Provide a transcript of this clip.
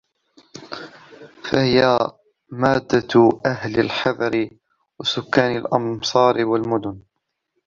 فَهِيَ مَادَّةُ أَهْلِ الْحَضَرِ وَسُكَّانِ الْأَمْصَارِ وَالْمُدُنِ